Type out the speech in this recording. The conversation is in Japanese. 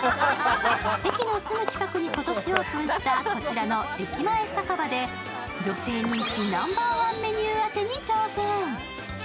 駅のすぐ近くに今年オープンした、こちらの駅前酒場で女性人気ナンバーワンメニュー当てに挑戦。